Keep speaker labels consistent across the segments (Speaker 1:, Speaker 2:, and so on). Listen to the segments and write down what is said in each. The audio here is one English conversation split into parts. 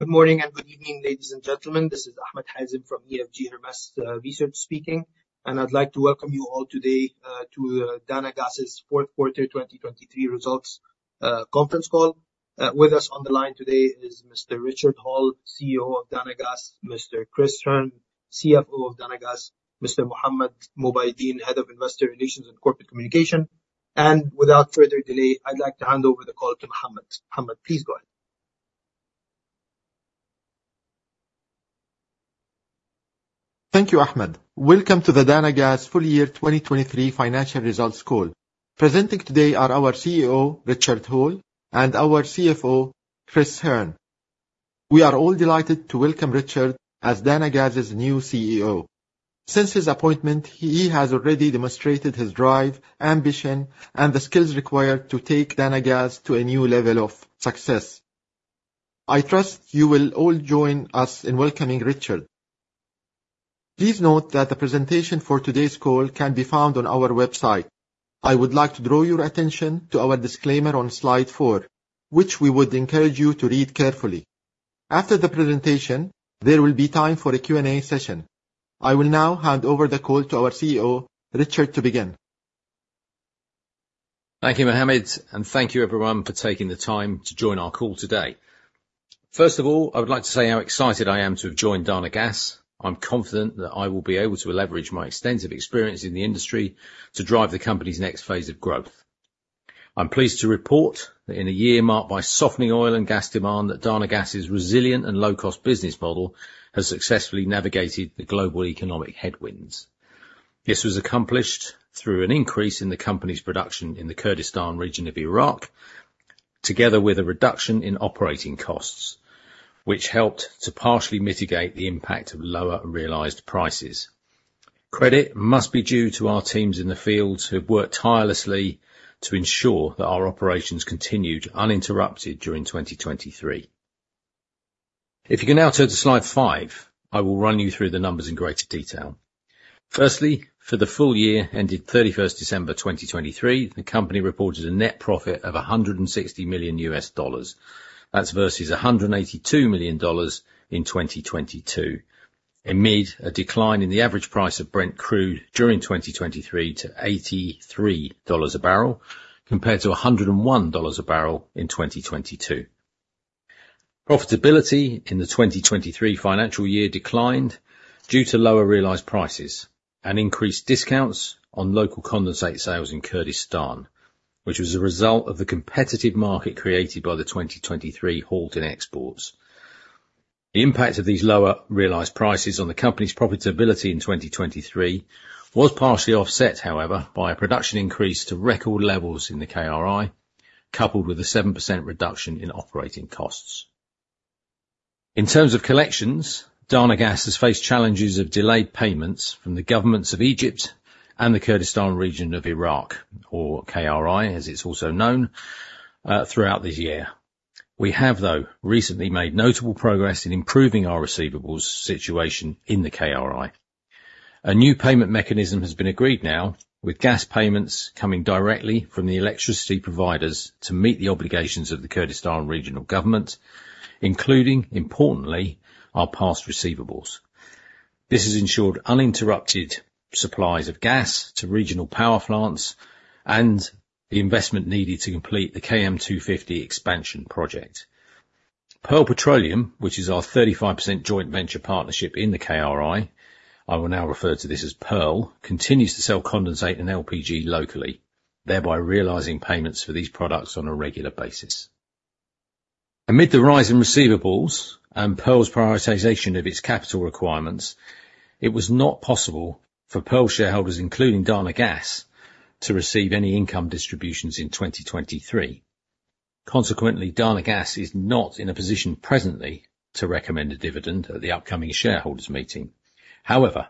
Speaker 1: Good morning and good evening, ladies and gentlemen. This is Ahmed Hazem from EFG Hermes Research speaking, and I'd like to welcome you all today, to, Dana Gas's fourth quarter 2023 results, conference call. With us on the line today is Mr. Richard Hall, CEO of Dana Gas; Mr. Chris Hearne, CFO of Dana Gas; Mr. Mohammed Mubaideen, Head of Investor Relations and Corporate Communications. And without further delay, I'd like to hand over the call to Mohammed. Mohammed, please go ahead.
Speaker 2: Thank you, Ahmed. Welcome to the Dana Gas full year 2023 financial results call. Presenting today are our CEO, Richard Hall, and our CFO, Chris Hearne. We are all delighted to welcome Richard as Dana Gas's new CEO. Since his appointment, he has already demonstrated his drive, ambition, and the skills required to take Dana Gas to a new level of success. I trust you will all join us in welcoming Richard. Please note that the presentation for today's call can be found on our website. I would like to draw your attention to our disclaimer on slide four, which we would encourage you to read carefully. After the presentation, there will be time for a Q&A session. I will now hand over the call to our CEO, Richard, to begin.
Speaker 3: Thank you, Mohammed, and thank you, everyone, for taking the time to join our call today. First of all, I would like to say how excited I am to have joined Dana Gas. I'm confident that I will be able to leverage my extensive experience in the industry to drive the company's next phase of growth. I'm pleased to report that in a year marked by softening oil and gas demand, that Dana Gas's resilient and low-cost business model has successfully navigated the global economic headwinds. This was accomplished through an increase in the company's production in the Kurdistan Region of Iraq, together with a reduction in operating costs, which helped to partially mitigate the impact of lower realized prices. Credit must be due to our teams in the field, who have worked tirelessly to ensure that our operations continued uninterrupted during 2023. If you can now turn to slide five, I will run you through the numbers in greater detail. Firstly, for the full year ended 31st December 2023, the company reported a net profit of $160 million. That's versus $182 million in 2022. Amid a decline in the average price of Brent Crude during 2023 to $83 a barrel, compared to $101 a barrel in 2022. Profitability in the 2023 financial year declined due to lower realized prices and increased discounts on local condensate sales in Kurdistan, which was a result of the competitive market created by the 2023 halt in exports. The impact of these lower realized prices on the company's profitability in 2023 was partially offset, however, by a production increase to record levels in the KRI, coupled with a 7% reduction in operating costs. In terms of collections, Dana Gas has faced challenges of delayed payments from the governments of Egypt and the Kurdistan Region of Iraq, or KRI, as it's also known, throughout this year. We have, though, recently made notable progress in improving our receivables situation in the KRI. A new payment mechanism has been agreed now, with gas payments coming directly from the electricity providers to meet the obligations of the Kurdistan Regional Government, including, importantly, our past receivables. This has ensured uninterrupted supplies of gas to regional power plants and the investment needed to complete the KM250 expansion project. Pearl Petroleum, which is our 35% joint venture partnership in the KRI, I will now refer to this as Pearl, continues to sell condensate and LPG locally, thereby realizing payments for these products on a regular basis. Amid the rise in receivables and Pearl's prioritization of its capital requirements, it was not possible for Pearl shareholders, including Dana Gas, to receive any income distributions in 2023. Consequently, Dana Gas is not in a position presently to recommend a dividend at the upcoming shareholders meeting. However,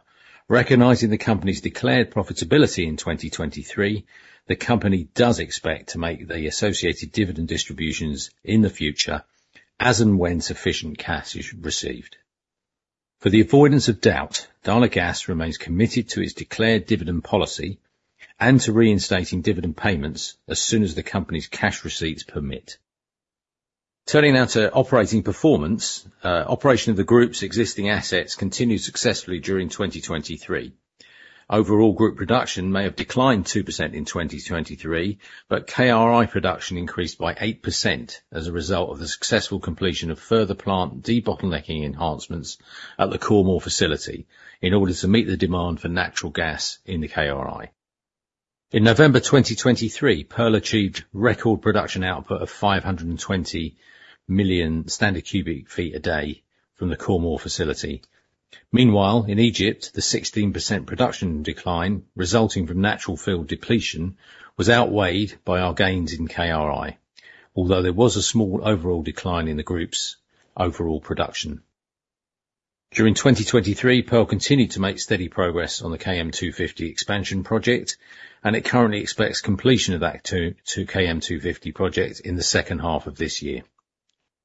Speaker 3: recognizing the company's declared profitability in 2023, the company does expect to make the associated dividend distributions in the future, as and when sufficient cash is received. For the avoidance of doubt, Dana Gas remains committed to its declared dividend policy and to reinstating dividend payments as soon as the company's cash receipts permit. Turning now to operating performance, operation of the group's existing assets continued successfully during 2023. Overall, group production may have declined 2% in 2023, but KRI production increased by 8% as a result of the successful completion of further plant debottlenecking enhancements at the Khor Mor facility in order to meet the demand for natural gas in the KRI. In November 2023, Pearl achieved record production output of 520 million standard cubic feet a day from the Khor Mor facility. Meanwhile, in Egypt, the 16% production decline, resulting from natural field depletion, was outweighed by our gains in KRI, although there was a small overall decline in the group's overall production. During 2023, Pearl continued to make steady progress on the KM250 expansion project, and it currently expects completion of that KM250 project in the second half of this year.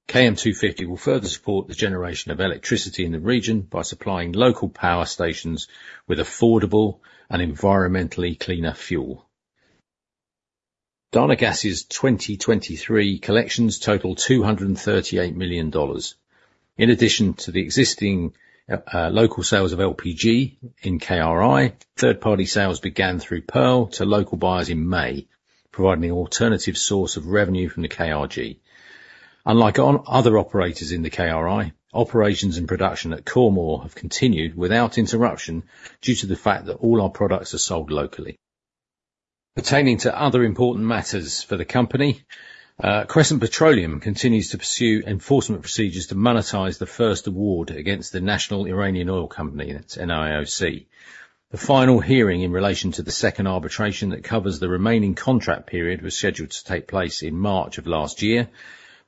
Speaker 3: KM250 will further support the generation of electricity in the region by supplying local power stations with affordable and environmentally cleaner fuel. Dana Gas' 2023 collections totaled $238 million. In addition to the existing local sales of LPG in KRI, third-party sales began through Pearl to local buyers in May, providing an alternative source of revenue from the KRG. Unlike other operators in the KRI, operations and production at Khor Mor have continued without interruption due to the fact that all our products are sold locally. Pertaining to other important matters for the company, Crescent Petroleum continues to pursue enforcement procedures to monetize the first award against the National Iranian Oil Company, that's NIOC. The final hearing in relation to the second arbitration that covers the remaining contract period was scheduled to take place in March of last year,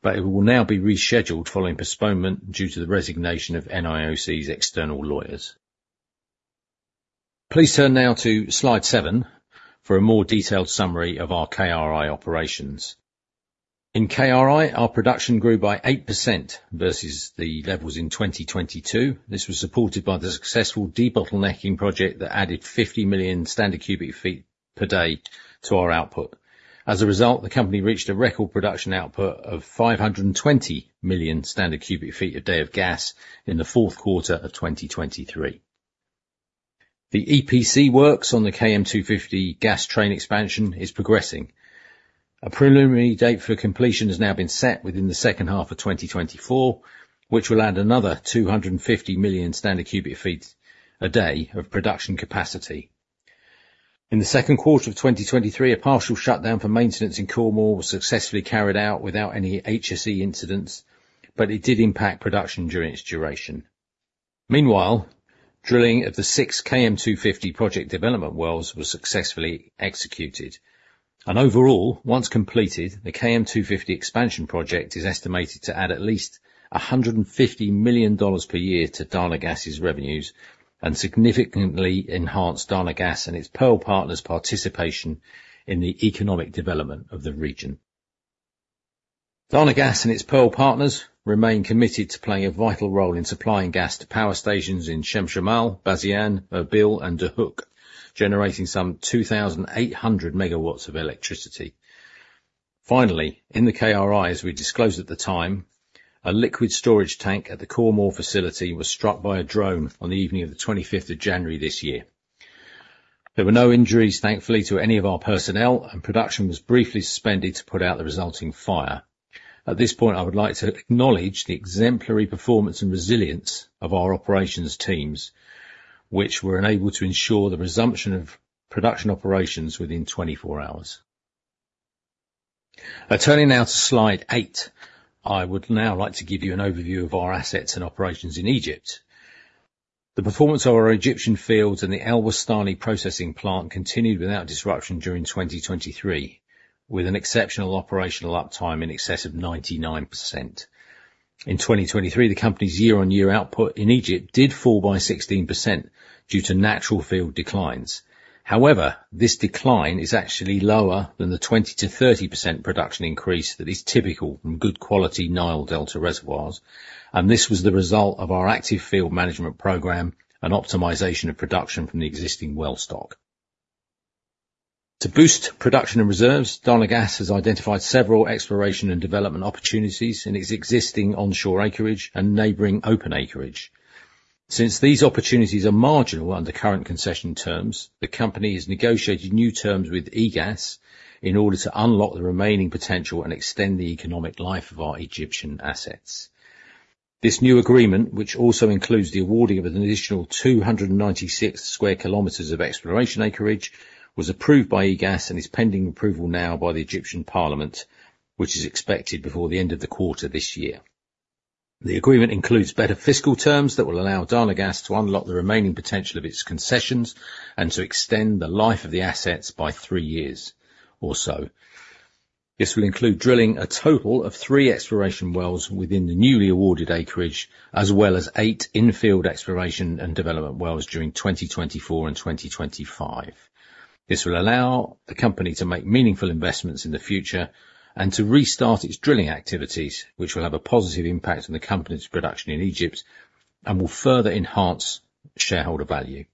Speaker 3: but it will now be rescheduled following postponement due to the resignation of NIOC's external lawyers. Please turn now to slide 7 for a more detailed summary of our KRI operations. In KRI, our production grew by 8% versus the levels in 2022. This was supported by the successful debottlenecking project that added 50 million standard cubic feet per day to our output. As a result, the company reached a record production output of 520 million standard cubic feet a day of gas in the fourth quarter of 2023. The EPC works on the KM250 gas train expansion is progressing. A preliminary date for completion has now been set within the second half of 2024, which will add another 250 million standard cubic feet a day of production capacity. In the second quarter of 2023, a partial shutdown for maintenance in Khor Mor was successfully carried out without any HSE incidents, but it did impact production during its duration. Meanwhile, drilling of the six KM250 project development wells was successfully executed. Overall, once completed, the KM250 expansion project is estimated to add at least $150 million per year to Dana Gas' revenues and significantly enhance Dana Gas and its Pearl partners' participation in the economic development of the region. Dana Gas and its Pearl partners remain committed to playing a vital role in supplying gas to power stations in Chemchemal, Bazian, Erbil and Duhok, generating some 2,800 megawatts of electricity. Finally, in the KRI, as we disclosed at the time, a liquid storage tank at the Khor Mor facility was struck by a drone on the evening of the twenty-fifth of January this year. There were no injuries, thankfully, to any of our personnel, and production was briefly suspended to put out the resulting fire. At this point, I would like to acknowledge the exemplary performance and resilience of our operations teams, which were enabled to ensure the resumption of production operations within 24 hours. Turning now to Slide 8, I would now like to give you an overview of our assets and operations in Egypt. The performance of our Egyptian fields and the El Wastani processing plant continued without disruption during 2023, with an exceptional operational uptime in excess of 99%. In 2023, the company's year-on-year output in Egypt did fall by 16% due to natural field declines. However, this decline is actually lower than the 20%-30% production increase that is typical from good quality Nile Delta reservoirs, and this was the result of our active field management program and optimization of production from the existing well stock. To boost production and reserves, Dana Gas has identified several exploration and development opportunities in its existing onshore acreage and neighboring open acreage. Since these opportunities are marginal under current concession terms, the company is negotiating new terms with EGAS in order to unlock the remaining potential and extend the economic life of our Egyptian assets. This new agreement, which also includes the awarding of an additional 296 sq km of exploration acreage, was approved by EGAS and is pending approval now by the Egyptian parliament, which is expected before the end of the quarter this year. The agreement includes better fiscal terms that will allow Dana Gas to unlock the remaining potential of its concessions and to extend the life of the assets by 3 years or so. This will include drilling a total of 3 exploration wells within the newly awarded acreage, as well as 8 in-field exploration and development wells during 2024 and 2025. This will allow the company to make meaningful investments in the future and to restart its drilling activities, which will have a positive impact on the company's production in Egypt and will further enhance shareholder value.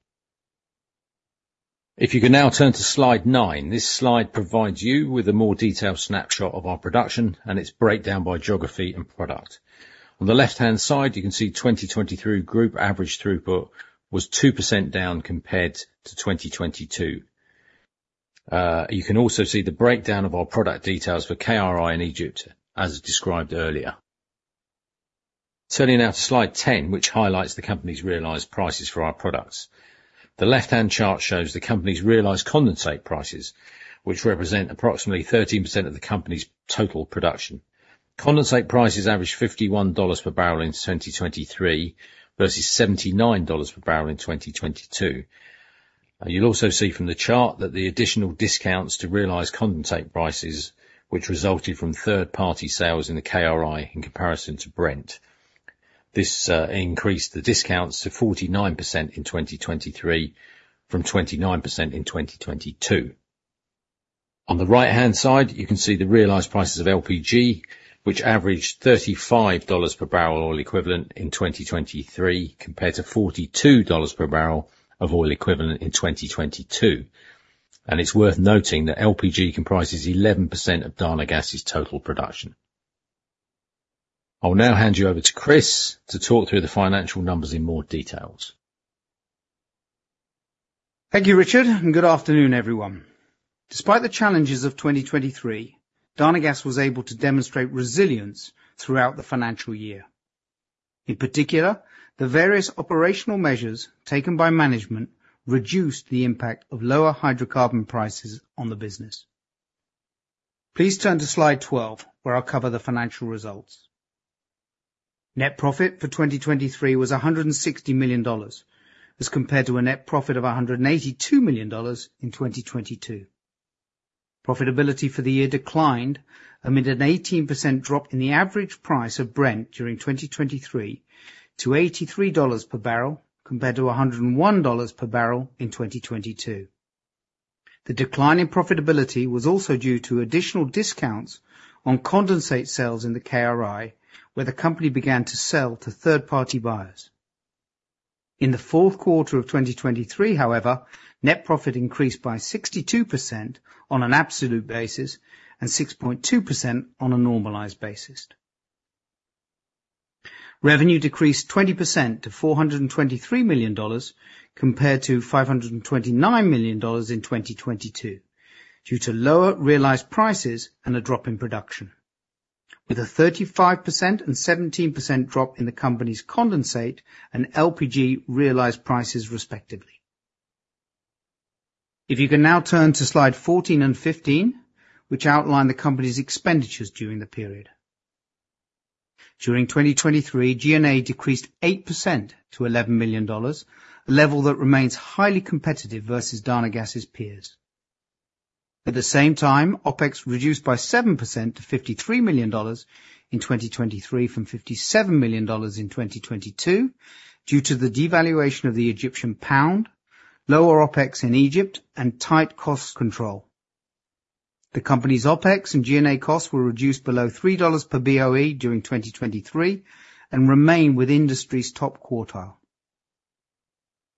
Speaker 3: If you can now turn to slide 9. This slide provides you with a more detailed snapshot of our production and its breakdown by geography and product. On the left-hand side, you can see 2023 group average throughput was 2% down compared to 2022. You can also see the breakdown of our product details for KRI in Egypt, as described earlier. Turning now to slide 10, which highlights the company's realized prices for our products. The left-hand chart shows the company's realized condensate prices, which represent approximately 13% of the company's total production. Condensate prices averaged $51 per barrel in 2023 versus $79 per barrel in 2022. You'll also see from the chart that the additional discounts to realized condensate prices, which resulted from third-party sales in the KRI in comparison to Brent. This increased the discounts to 49% in 2023 from 29% in 2022. On the right-hand side, you can see the realized prices of LPG, which averaged $35 per barrel oil equivalent in 2023, compared to $42 per barrel of oil equivalent in 2022. And it's worth noting that LPG comprises 11% of Dana Gas's total production. I'll now hand you over to Chris to talk through the financial numbers in more details.
Speaker 4: Thank you, Richard, and good afternoon, everyone. Despite the challenges of 2023, Dana Gas was able to demonstrate resilience throughout the financial year. In particular, the various operational measures taken by management reduced the impact of lower hydrocarbon prices on the business. Please turn to slide 12, where I'll cover the financial results. Net profit for 2023 was $160 million, as compared to a net profit of $182 million in 2022. Profitability for the year declined amid an 18% drop in the average price of Brent during 2023 to $83 per barrel, compared to $101 per barrel in 2022. The decline in profitability was also due to additional discounts on condensate sales in the KRI, where the company began to sell to third-party buyers. In the fourth quarter of 2023, however, net profit increased by 62% on an absolute basis and 6.2% on a normalized basis. Revenue decreased 20% to $423 million, compared to $529 million in 2022, due to lower realized prices and a drop in production, with a 35% and 17% drop in the company's condensate and LPG realized prices, respectively. If you can now turn to slide 14 and 15, which outline the company's expenditures during the period. During 2023, G&A decreased 8% to $11 million, a level that remains highly competitive versus Dana Gas' peers. At the same time, OpEx reduced by 7% to $53 million in 2023 from $57 million in 2022, due to the devaluation of the Egyptian pound, lower OpEx in Egypt, and tight cost control. The company's OpEx and G&A costs were reduced below $3 per BOE during 2023 and remain with industry's top quartile.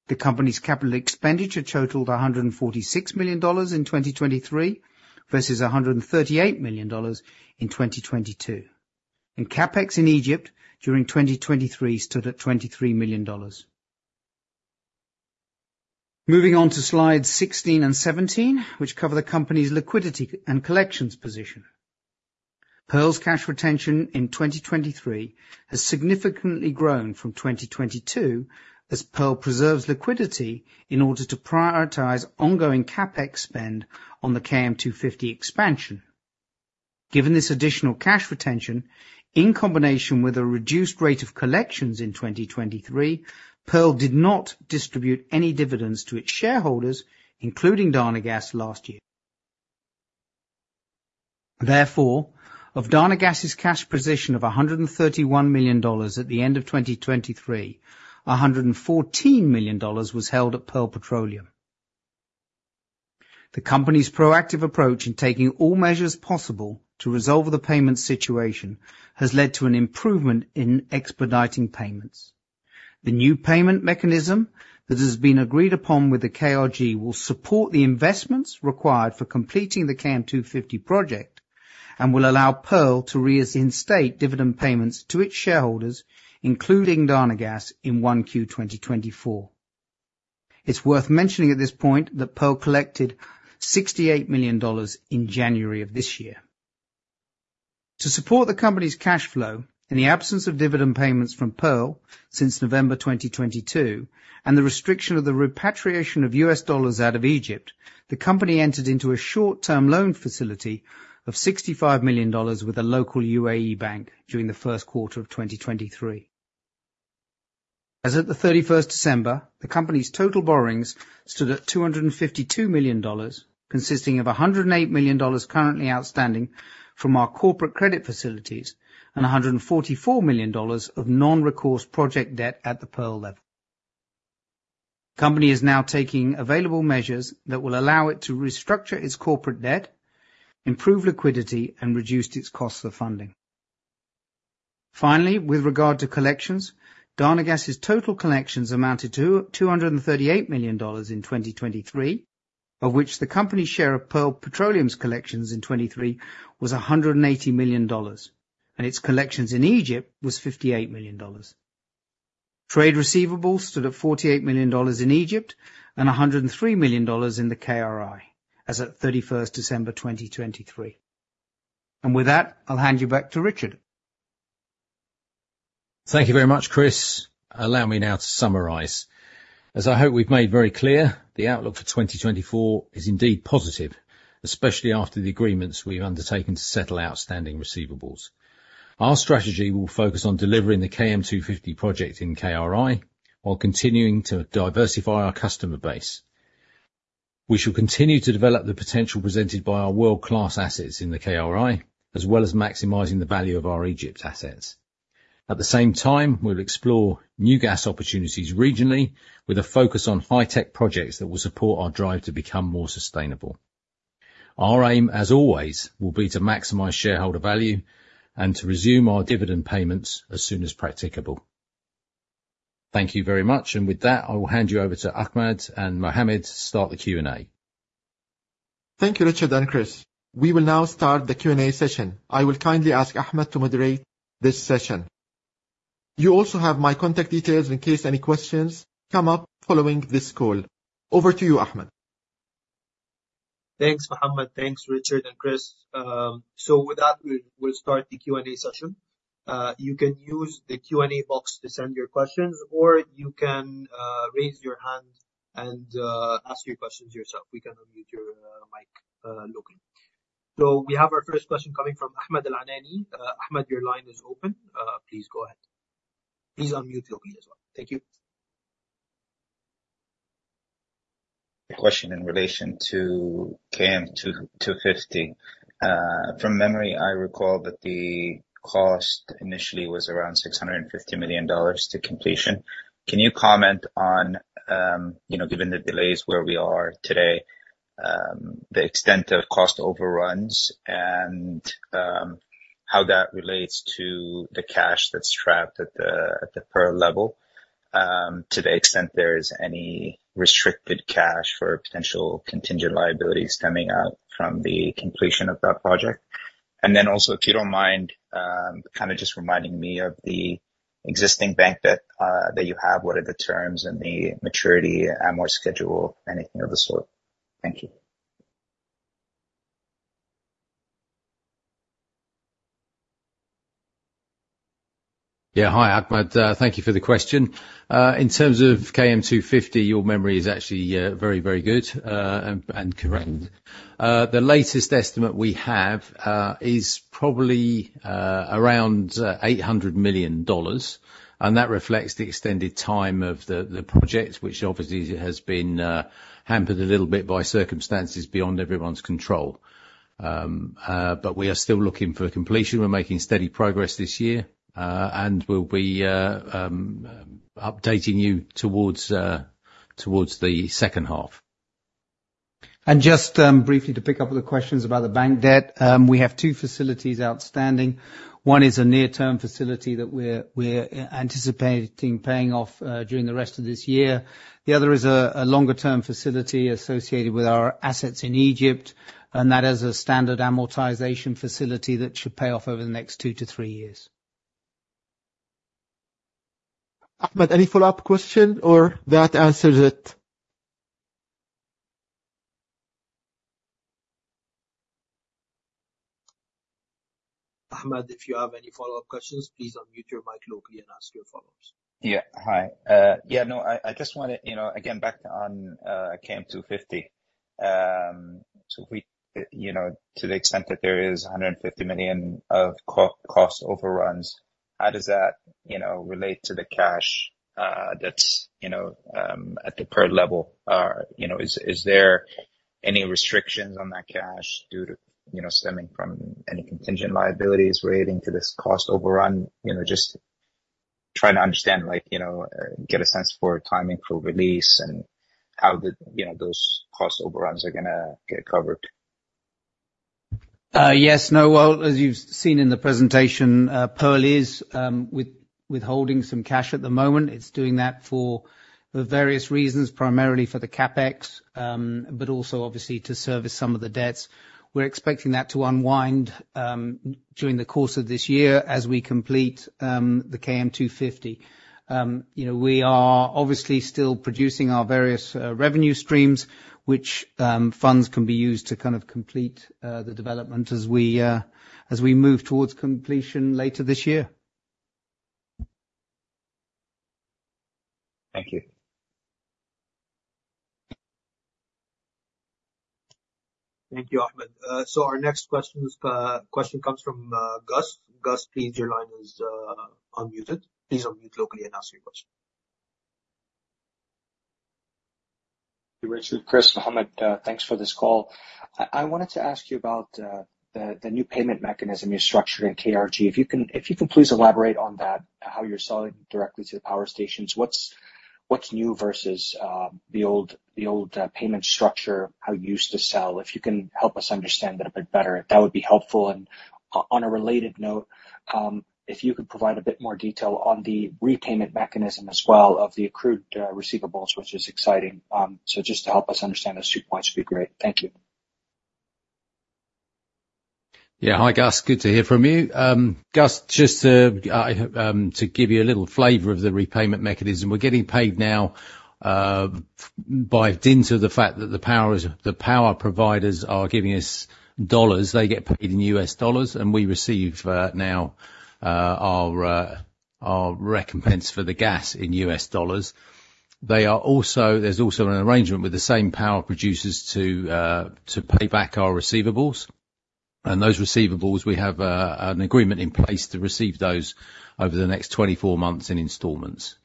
Speaker 4: The company's capital expenditure totaled $146 million in 2023 versus $138 million in 2022, and CapEx in Egypt during 2023 stood at $23 million. Moving on to slides 16 and 17, which cover the company's liquidity and collections position. Pearl's cash retention in 2023 has significantly grown from 2022, as Pearl preserves liquidity in order to prioritize ongoing CapEx spend on the KM250 expansion. Given this additional cash retention, in combination with a reduced rate of collections in 2023, Pearl did not distribute any dividends to its shareholders, including Dana Gas, last year. Therefore, of Dana Gas' cash position of $131 million at the end of 2023, $114 million was held at Pearl Petroleum. The company's proactive approach in taking all measures possible to resolve the payment situation has led to an improvement in expediting payments. The new payment mechanism that has been agreed upon with the KRG will support the investments required for completing the KM250 project and will allow Pearl to reinstate dividend payments to its shareholders, including Dana Gas, in 1Q 2024. It's worth mentioning at this point that Pearl collected $68 million in January of this year. To support the company's cash flow, in the absence of dividend payments from Pearl since November 2022, and the restriction of the repatriation of US dollars out of Egypt, the company entered into a short-term loan facility of $65 million with a local UAE bank during the first quarter of 2023. As at December 31, the company's total borrowings stood at $252 million, consisting of $108 million currently outstanding from our corporate credit facilities and $144 million of non-recourse project debt at the Pearl level. The company is now taking available measures that will allow it to restructure its corporate debt, improve liquidity, and reduce its costs of funding. Finally, with regard to collections, Dana Gas' total collections amounted to $238 million in 2023, of which the company's share of Pearl Petroleum's collections in 2023 was $180 million, and its collections in Egypt was $58 million. Trade receivables stood at $48 million in Egypt and $103 million in the KRI as at 31st December 2023. And with that, I'll hand you back to Richard.
Speaker 3: Thank you very much, Chris. Allow me now to summarize. As I hope we've made very clear, the outlook for 2024 is indeed positive, especially after the agreements we've undertaken to settle outstanding receivables. Our strategy will focus on delivering the KM250 project in KRI while continuing to diversify our customer base. We shall continue to develop the potential presented by our world-class assets in the KRI, as well as maximizing the value of our Egypt assets. At the same time, we'll explore new gas opportunities regionally, with a focus on high-tech projects that will support our drive to become more sustainable. Our aim, as always, will be to maximize shareholder value and to resume our dividend payments as soon as practicable. Thank you very much. And with that, I will hand you over to Ahmed and Mohammed to start the Q&A....
Speaker 2: Thank you, Richard and Chris. We will now start the Q&A session. I will kindly ask Ahmed to moderate this session. You also have my contact details in case any questions come up following this call. Over to you, Ahmed.
Speaker 1: Thanks, Mohammed. Thanks, Richard and Chris. With that, we'll start the Q&A session. You can use the Q&A box to send your questions, or you can raise your hand and ask your questions yourself. We can unmute your mic locally. We have our first question coming from Ahmed Al-Anani. Ahmed, your line is open. Please go ahead. Please unmute locally as well. Thank you.
Speaker 5: A question in relation to KM250. From memory, I recall that the cost initially was around $650 million to completion. Can you comment on, you know, given the delays where we are today, the extent of cost overruns and, how that relates to the cash that's trapped at the, at the Pearl level, to the extent there is any restricted cash for potential contingent liabilities coming out from the completion of that project? And then also, if you don't mind, kind of just reminding me of the existing bank debt, that you have. What are the terms and the maturity, amort schedule, anything of the sort? Thank you.
Speaker 3: Yeah. Hi, Ahmed. Thank you for the question. In terms of KM250, your memory is actually very, very good and correct. The latest estimate we have is probably around $800 million, and that reflects the extended time of the project, which obviously has been hampered a little bit by circumstances beyond everyone's control. But we are still looking for a completion. We're making steady progress this year, and we'll be updating you towards the second half.
Speaker 4: Just briefly to pick up the questions about the bank debt. We have two facilities outstanding. One is a near-term facility that we're anticipating paying off during the rest of this year. The other is a longer-term facility associated with our assets in Egypt, and that is a standard amortization facility that should pay off over the next two to three years.
Speaker 2: Ahmed, any follow-up question or that answers it?
Speaker 1: Ahmed, if you have any follow-up questions, please unmute your mic locally and ask your follow-ups.
Speaker 5: Yeah. Hi. Yeah, no, I just wanted—you know, again, back on KM250. So we, you know, to the extent that there is $150 million of cost overruns, how does that, you know, relate to the cash that's, you know, at the Pearl level? You know, is there any restrictions on that cash due to, you know, stemming from any contingent liabilities relating to this cost overrun? You know, just trying to understand, like, you know, get a sense for timing for release and how the, you know, those cost overruns are gonna get covered.
Speaker 4: Yes. No, well, as you've seen in the presentation, Pearl is withholding some cash at the moment. It's doing that for the various reasons, primarily for the CapEx, but also obviously to service some of the debts. We're expecting that to unwind during the course of this year as we complete the KM250. You know, we are obviously still producing our various revenue streams, which funds can be used to kind of complete the development as we move towards completion later this year.
Speaker 5: Thank you. Thank you, Ahmed. So our next question comes from Gus. Gus, please, your line is unmuted. Please unmute locally and ask your question. Richard, Chris, Mohammed, thanks for this call. I wanted to ask you about the new payment mechanism you structured in KRG. If you can please elaborate on that, how you're selling directly to the power stations. What's new versus the old payment structure, how you used to sell? If you can help us understand that a bit better, that would be helpful. And on a related note, if you could provide a bit more detail on the repayment mechanism as well of the accrued receivables, which is exciting. So just to help us understand those two points would be great. Thank you.
Speaker 3: Yeah. Hi, Gus. Good to hear from you. Gus, just to, to give you a little flavor of the repayment mechanism, we're getting paid now, by dint of the fact that the power providers are giving us dollars. They get paid in US dollars, and we receive, now, our, our recompense for the gas in US dollars. There's also an arrangement with the same power producers to, to pay back our receivables. And those receivables, we have, an agreement in place to receive those over the next 24 months in installments.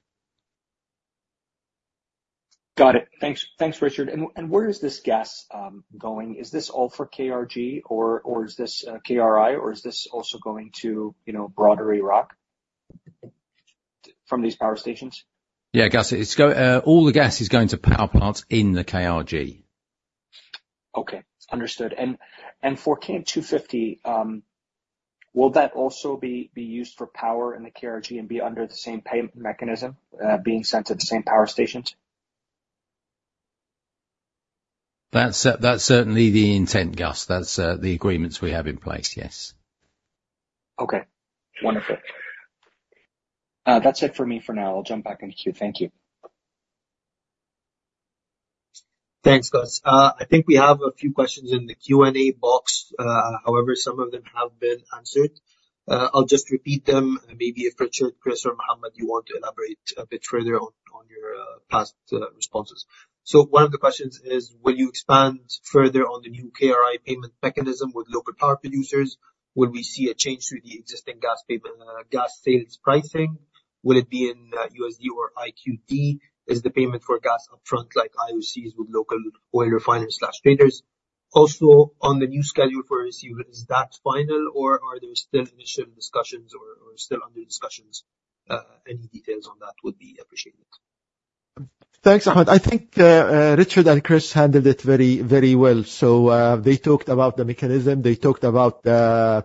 Speaker 3: Got it. Thanks, thanks, Richard. And where is this gas going? Is this all for KRG or is this KRI, or is this also going to, you know, broader Iraq from these power stations?
Speaker 5: Yeah, Gus, it's all the gas is going to power plants in the KRG. Okay, understood. And for KM 250, will that also be used for power in the KRG and be under the same payment mechanism, being sent to the same power stations?
Speaker 3: That's, that's certainly the intent, Gus. That's, the agreements we have in place, yes. Okay, wonderful. That's it for me for now. I'll jump back in the queue. Thank you.
Speaker 1: Thanks, Gus. I think we have a few questions in the Q&A box. However, some of them have been answered. I'll just repeat them, and maybe if Richard, Chris, or Mohammed, you want to elaborate a bit further on your past responses. So one of the questions is: Will you expand further on the new KRI payment mechanism with local power producers? Will we see a change to the existing gas paper, gas sales pricing? Will it be in USD or IQD? Is the payment for gas upfront, like IOCs with local oil refiners/traders? Also, on the new schedule for receiver, is that final, or are there still initial discussions or still under discussions? Any details on that would be appreciated.
Speaker 2: Thanks, Ahmed. I think Richard and Chris handled it very, very well. So, they talked about the mechanism. They talked about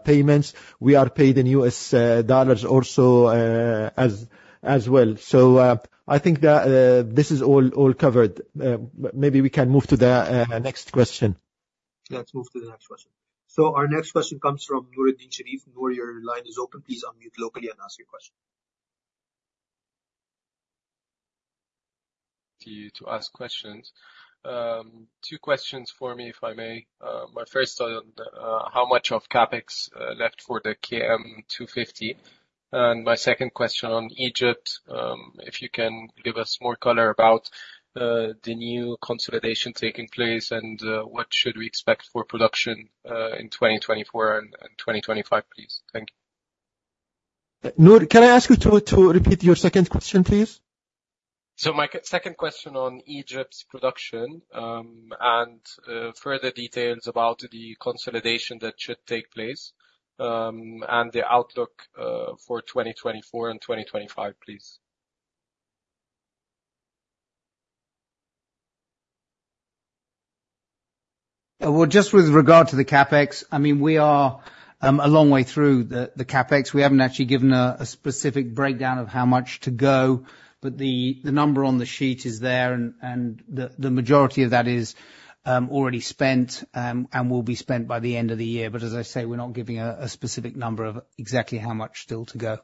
Speaker 2: payments. We are paid in US dollars also, as well. So, I think that this is all covered. Maybe we can move to the next question.
Speaker 1: Let's move to the next question. So our next question comes from Noor Sharif. Noor, your line is open. Please unmute locally and ask your question.
Speaker 6: To you to ask questions. Two questions for me, if I may. My first on the how much of CapEx left for the KM250? And my second question on Egypt, if you can give us more color about the new consolidation taking place, and what should we expect for production in 2024 and 2025, please? Thank you.
Speaker 2: Noor, can I ask you to repeat your second question, please?
Speaker 6: My second question on Egypt's production, and further details about the consolidation that should take place, and the outlook for 2024 and 2025, please.
Speaker 4: Well, just with regard to the CapEx, I mean, we are a long way through the CapEx. We haven't actually given a specific breakdown of how much to go, but the number on the sheet is there, and the majority of that is already spent and will be spent by the end of the year. But as I say, we're not giving a specific number of exactly how much still to go.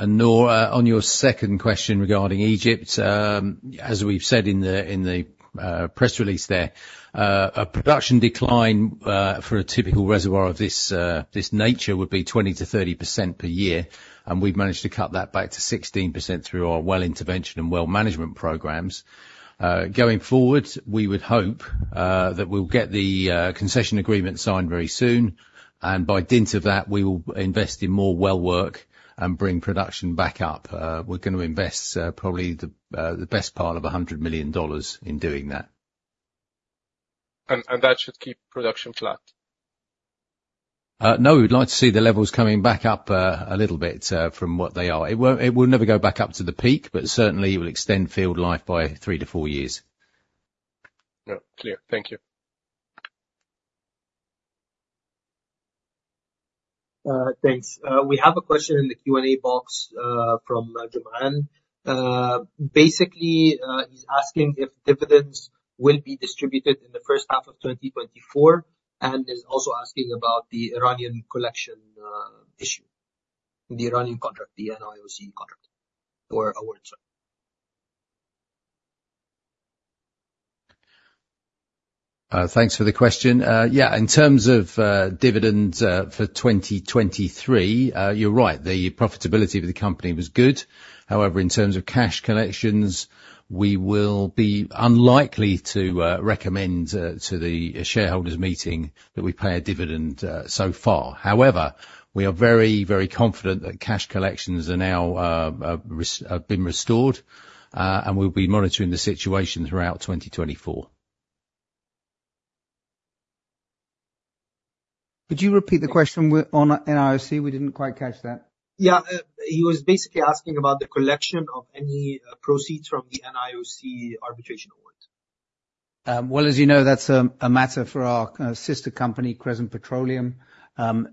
Speaker 3: Noor, on your second question regarding Egypt, as we've said in the press release there, a production decline for a typical reservoir of this nature would be 20%-30% per year, and we've managed to cut that back to 16% through our well intervention and well management programs. Going forward, we would hope that we'll get the concession agreement signed very soon, and by dint of that, we will invest in more well work and bring production back up. We're going to invest probably the best part of $100 million in doing that.
Speaker 6: that should keep production flat?
Speaker 3: No, we'd like to see the levels coming back up, a little bit, from what they are. It will never go back up to the peak, but certainly will extend field life by 3-4 years.
Speaker 6: Oh, clear. Thank you.
Speaker 1: Thanks. We have a question in the Q&A box, from Juman. Basically, he's asking if dividends will be distributed in the first half of 2024, and he's also asking about the Iranian collection issue. The Iranian contract, the NIOC contract or award, sorry.
Speaker 3: Thanks for the question. Yeah, in terms of dividends, for 2023, you're right, the profitability of the company was good. However, in terms of cash collections, we will be unlikely to recommend to the shareholders meeting that we pay a dividend so far. However, we are very, very confident that cash collections are now have been restored, and we'll be monitoring the situation throughout 2024.
Speaker 4: Could you repeat the question on NIOC? We didn't quite catch that.
Speaker 1: Yeah. He was basically asking about the collection of any proceeds from the NIOC arbitration award.
Speaker 4: Well, as you know, that's a matter for our sister company, Crescent Petroleum.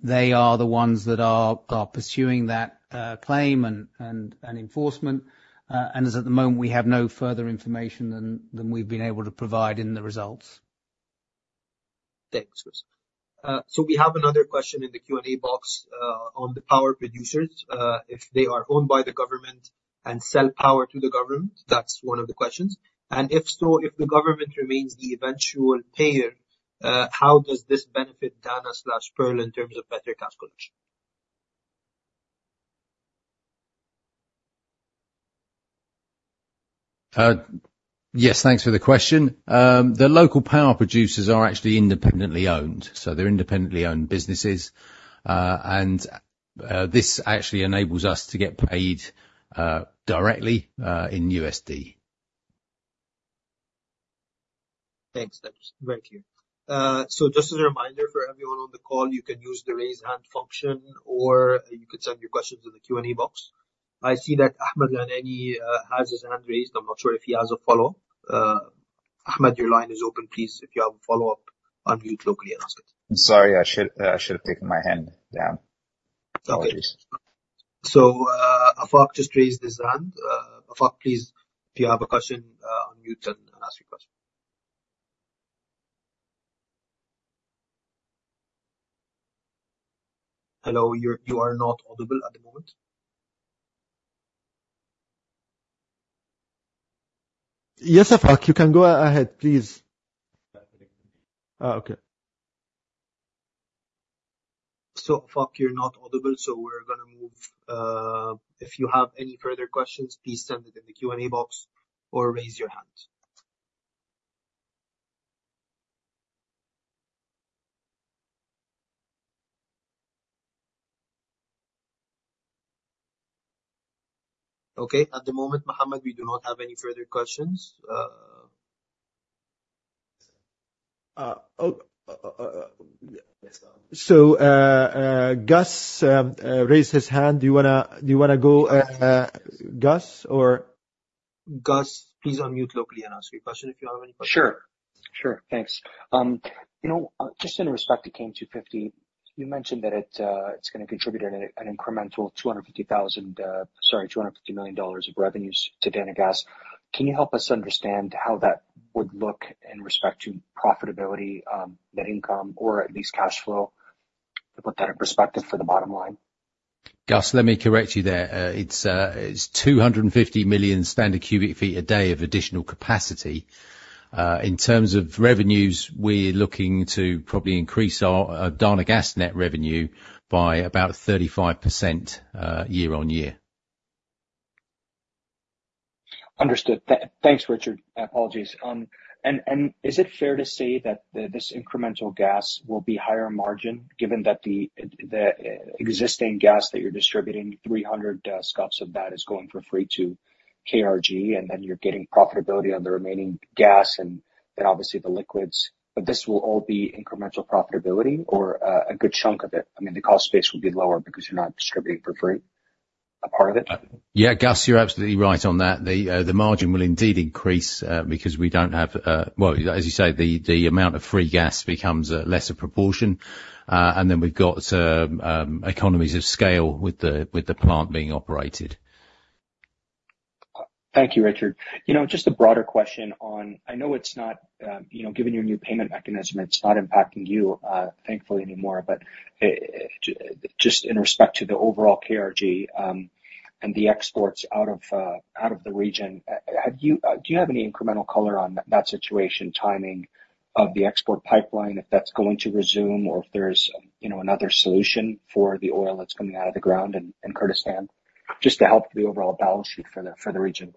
Speaker 4: They are the ones that are pursuing that claim and enforcement. And as at the moment, we have no further information than we've been able to provide in the results.
Speaker 1: Thanks, Chris. So we have another question in the Q&A box, on the power producers. If they are owned by the government and sell power to the government? That's one of the questions. And if so, if the government remains the eventual payer, how does this benefit Dana/Pearl in terms of better cash collection?
Speaker 3: Yes, thanks for the question. The local power producers are actually independently owned, so they're independently owned businesses. This actually enables us to get paid directly in U.S. dollars.
Speaker 1: Thanks, thanks. Thank you. So, just as a reminder for everyone on the call, you can use the raise hand function, or you can send your questions in the Q&A box... I see that Ahmed Laneni has his hand raised. I'm not sure if he has a follow-up. Ahmed, your line is open, please, if you have a follow-up, unmute locally and ask it.
Speaker 3: I'm sorry. I should, I should have taken my hand down. Apologies.
Speaker 1: So, Afaq just raised his hand. Afaq, please, if you have a question, unmute and ask your question. Hello, you are not audible at the moment.
Speaker 2: Yes, Afaq, you can go ahead please.
Speaker 1: Uh, okay. So, Afaq, you're not audible, so we're gonna move. If you have any further questions, please send it in the Q&A box or raise your hand. Okay, at the moment, Mohammed, we do not have any further questions.
Speaker 2: Oh, so Gus raised his hand. Do you wanna go, Gus, or?
Speaker 1: Gus, please unmute locally and ask your question if you have any questions. Sure. Sure, thanks. You know, just in respect to KM250, you mentioned that it's gonna contribute an incremental $250 million of revenues to Dana Gas. Can you help us understand how that would look in respect to profitability, net income, or at least cashflow, to put that in perspective for the bottom line?
Speaker 3: Gus, let me correct you there. It's 250 million standard cubic feet a day of additional capacity. In terms of revenues, we're looking to probably increase our Dana Gas net revenue by about 35% year-on-year. Understood. Thanks, Richard. Apologies. Is it fair to say that this incremental gas will be higher margin, given that the existing gas that you're distributing, 300 SCFs of that is going for free to KRG, and then you're getting profitability on the remaining gas and obviously the liquids, but this will all be incremental profitability or a good chunk of it? I mean, the cost base will be lower because you're not distributing for free. A part of it? Yeah, Gus, you're absolutely right on that. The margin will indeed increase, because we don't have, well, as you say, the amount of free gas becomes a lesser proportion. And then we've got, economies of scale with the plant being operated. Thank you, Richard. You know, just a broader question on... I know it's not, you know, given your new payment mechanism, it's not impacting you, thankfully anymore, but, just in respect to the overall KRG, and the exports out of, out of the region, have you, do you have any incremental color on that, that situation, timing of the export pipeline? If that's going to resume or if there's, you know, another solution for the oil that's coming out of the ground in, in Kurdistan, just to help the overall balance sheet for the, for the region.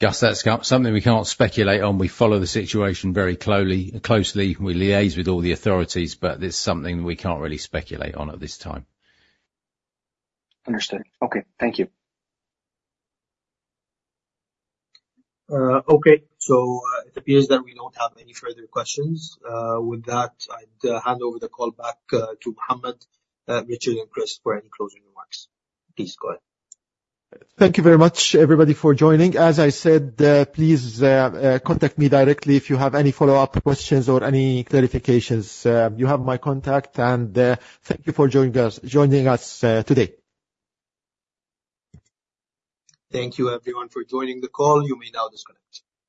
Speaker 3: Gus, that's something we can't speculate on. We follow the situation very closely, closely. We liaise with all the authorities, but it's something we can't really speculate on at this time. Understood. Okay. Thank you.
Speaker 1: Okay. So, it appears that we don't have any further questions. With that, I'd hand over the call back to Mohammed, Richard, and Chris, for any closing remarks. Please, go ahead.
Speaker 2: Thank you very much, everybody, for joining. As I said, please, contact me directly if you have any follow-up questions or any clarifications. You have my contact, and, thank you for joining us, joining us, today.
Speaker 1: Thank you, everyone, for joining the call. You may now disconnect.